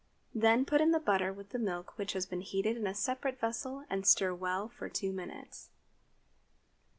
Then put in the butter with the milk which has been heated in a separate vessel, and stir well for two minutes.